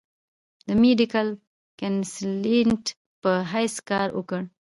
د ميډيکل کنسلټنټ پۀ حېث کار اوکړو ۔